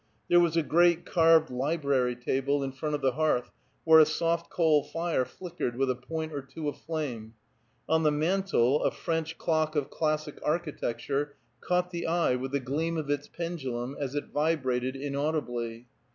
There was a great carved library table in front of the hearth where a soft coal fire flickered with a point or two of flame; on the mantel a French clock of classic architecture caught the eye with the gleam of its pendulum as it vibrated inaudibly.